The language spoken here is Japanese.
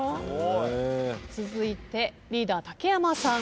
続いてリーダー竹山さん。